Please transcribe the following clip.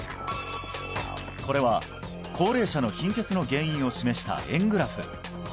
これは高齢者の貧血の原因を示した円グラフ